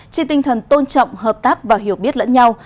trên tinh thần tôn trọng hợp tác và hiểu biết lẫn nhau